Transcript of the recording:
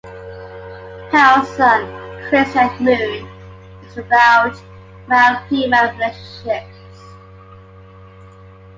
"Pale Sun, Crescent Moon" is about male-female relationships.